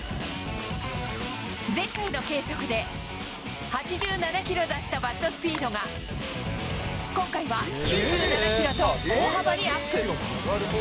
前回の計測で、８７キロだったバットスピードが、今回は９７キロと大幅にアップ。